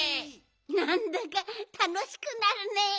なんだかたのしくなるね。